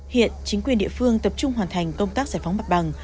hiện chính quyền địa phương tập trung hoàn thành công tác giải phóng mặt bằng